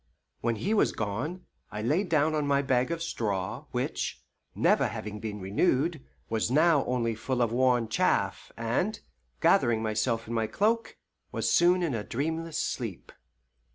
When he was gone, I lay down on my bag of straw, which, never having been renewed, was now only full of worn chaff, and, gathering myself in my cloak, was soon in a dreamless sleep.